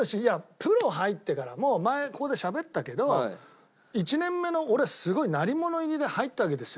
プロ入ってからも前ここでしゃべったけど１年目の俺すごい鳴り物入りで入ったわけですよ